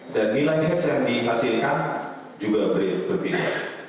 dan nilai hes yang dihasilkan juga berbeda